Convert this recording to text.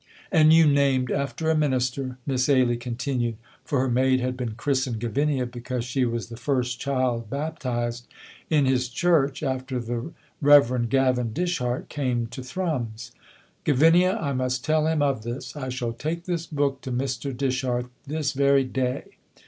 "And you named after a minister!" Miss Ailie continued, for her maid had been christened Gavinia because she was the first child baptized in his church after the Rev. Gavin Dishart came to Thrums. "Gavinia, I must tell him of this. I shall take this book to Mr. Dishart this very day."